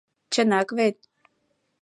— Чынак вет...